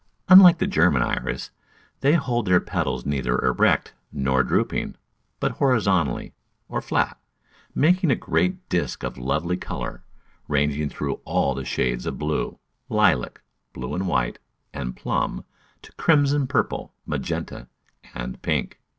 Unlike the German Iris, they hold their petals neither erect nor drooping, but horizontally, or flat, making a great disc of lovely colour, ranging through all the shades of blue, lilac, blue and white, and plum, to crimson purple, magenta, and pink.